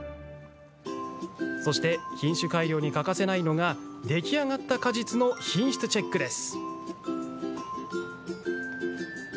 そして品種改良に欠かせないのが出来上がった果実の品質チェックです。